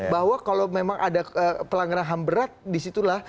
bahwa kalau memang ada pelanggaran ham berat disitulah